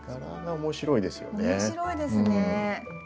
面白いですね。